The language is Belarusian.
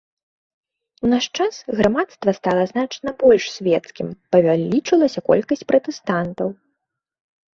У наш час грамадства стала значна больш свецкім, павялічылася колькасць пратэстантаў.